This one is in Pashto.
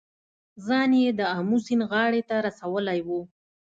ځان یې د آمو سیند غاړې ته رسولی و.